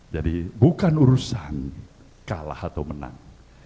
jadi bukan urusan kalah atau menang